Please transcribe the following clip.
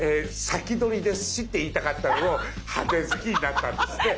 先取りですしって言いたかったのを派手好きになったんですね。